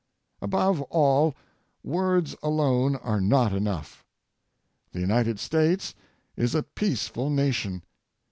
Above all, words alone are not enough. The United States is a peaceful nation.